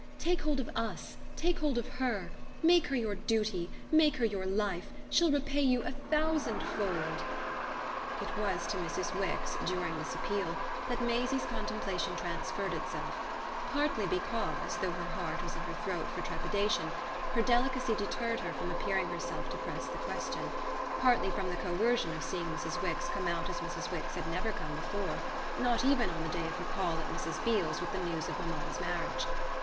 Take hold of US take hold of HER. Make her your duty make her your life: she'll repay you a thousand fold!" It was to Mrs. Wix, during this appeal, that Maisie's contemplation transferred itself: partly because, though her heart was in her throat for trepidation, her delicacy deterred her from appearing herself to press the question; partly from the coercion of seeing Mrs. Wix come out as Mrs. Wix had never come before not even on the day of her call at Mrs. Beale's with the news of mamma's marriage.